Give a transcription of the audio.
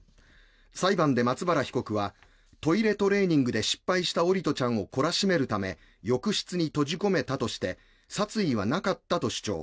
裁判で松原被告はトイレトレーニングで失敗した桜利斗ちゃんを懲らしめるため浴室に閉じ込めたとして殺意はなかったと主張。